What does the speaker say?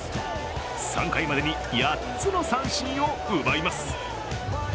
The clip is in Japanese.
３回までに８つの三振を奪います。